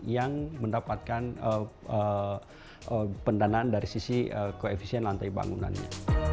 yang mendapatkan pendanaan dari sisi koefisien lantai bangunannya